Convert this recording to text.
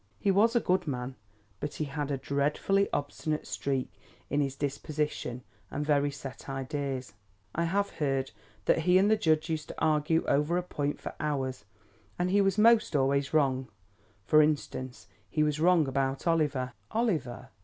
"He was a good man, but he had a dreadfully obstinate streak in his disposition and very set ideas. I have heard that he and the judge used to argue over a point for hours. And he was most always wrong. For instance, he was wrong about Oliver." "Oliver?"